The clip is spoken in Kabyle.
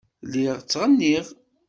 Lliɣ ttɣenniɣ.